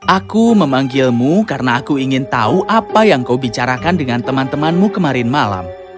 aku memanggilmu karena aku ingin tahu apa yang kau bicarakan dengan teman temanmu kemarin malam